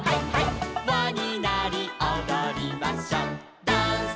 「わになりおどりましょう」